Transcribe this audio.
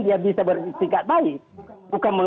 dia bisa bersikat baik